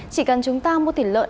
chỉ cần chúng ta mua thịt lợn